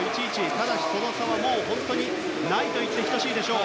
ただ、その差は本当にないと言って等しいでしょう。